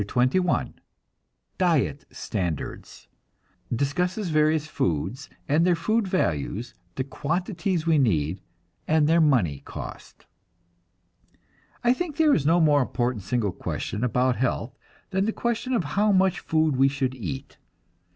CHAPTER XXI DIET STANDARDS (Discusses various foods and their food values, the quantities we need, and their money cost.) I think there is no more important single question about health than the question of how much food we should eat.